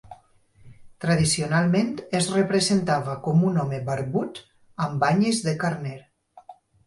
Tradicionalment es representava com un home barbut amb banyes de carner.